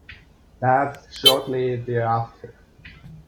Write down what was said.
Labs shortly thereafter.